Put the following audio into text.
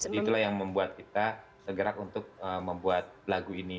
jadi itulah yang membuat kita segera untuk membuat lagu ini